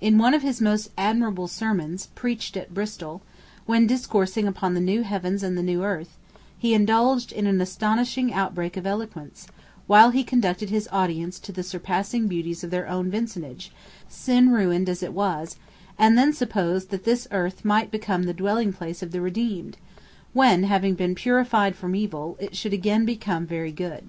In one of his most admirable sermons, preached at Bristol, when discoursing upon "the new heavens and the new earth," he indulged in an astonishing outbreak of eloquence, while he conducted his audience to the surpassing beauties of their own vicinage, sin ruined as it was, and then supposed that this earth might become the dwelling place of the redeemed, when, having been purified from all evil, it should again become "very good."